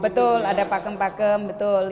betul ada pakem pakem betul